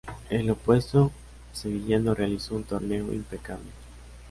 El opuesto sevillano realizó un torneo impecable.